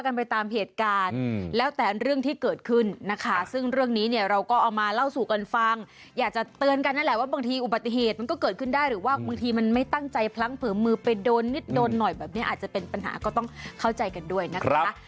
อยากจะเตือนกันน่ะแหละว่าบางทีอุบัติเหตุมันก็เกิดขึ้นได้หรือว่าบางทีมันไม่ตั้งใจพลั้งเผื่อมือไปโดนนิดโดนหน่อยแบบนี้อาจจะเป็นปัญหาก็ต้องเข้าใจกันด้วยนะครับ